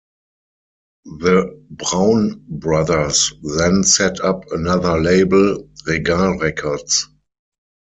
The Braun brothers then set up another label, Regal Records.